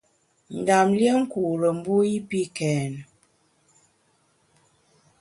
Ndam lié nkure mbu i pi kèn.